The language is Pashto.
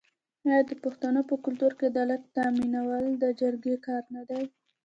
آیا د پښتنو په کلتور کې عدالت تامینول د جرګې کار نه دی؟